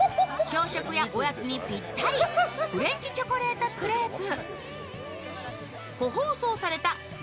朝食やおやつにぴったりフレンチチョコレートクレープ。